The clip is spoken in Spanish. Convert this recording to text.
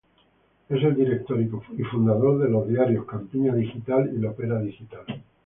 Es el Director y fundador de los diarios Campiña Digital y Lopera Digital.